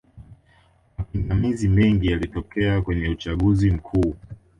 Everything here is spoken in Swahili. mapingamizi mengi yalitokea kwenye uchaguzi mkuu